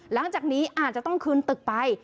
หลังจากนี้อาจจะต้องคืนตึกไป